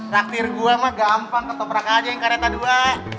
traktir gue emang gampang ketoprak aja yang kareta dua